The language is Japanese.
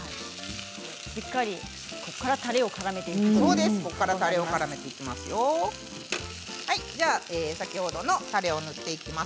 しっかりここからたれをからめていきます。